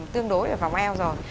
tương đối ở vòng eo rồi